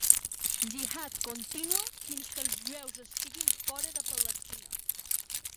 Jihad contínua fins que els jueus estiguin fora de Palestina.